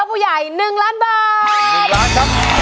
ท่าผู้ใหญ่๑ล้านบาท